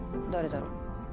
誰だろう。